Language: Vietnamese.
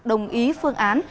đồng ý phương án